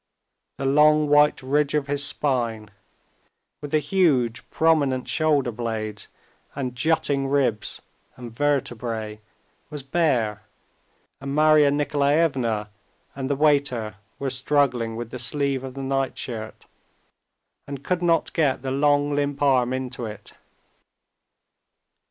The long white ridge of his spine, with the huge, prominent shoulder blades and jutting ribs and vertebrae, was bare, and Marya Nikolaevna and the waiter were struggling with the sleeve of the night shirt, and could not get the long, limp arm into it.